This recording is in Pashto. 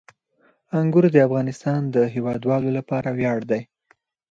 انګور د افغانستان د هیوادوالو لپاره ویاړ دی.